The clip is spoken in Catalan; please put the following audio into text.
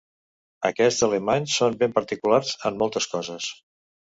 Aquests alemanys són ben particulars, en moltes coses!